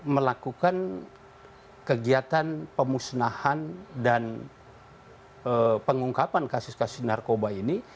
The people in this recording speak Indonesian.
melakukan kegiatan pemusnahan dan pengungkapan kasus kasus narkoba ini